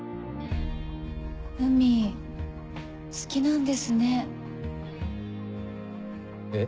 海好きなんですねえっ？